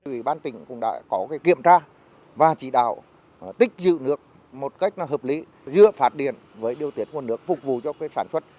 ubnd cũng đã có kiểm tra và chỉ đạo tích dự nước một cách hợp lý giữa phát điện với điều tiết nguồn nước phục vụ cho sản xuất